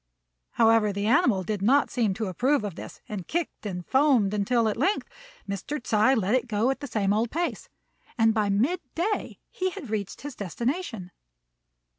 However, the animal did not seem to approve of this, and kicked and foamed until at length Mr. Ts'ui let it go at the same old pace; and by mid day he had reached his destination.